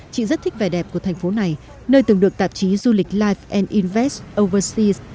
chị rất thích vẻ đẹp của thành phố này nơi từng được tạp chí du lịch life invest overseas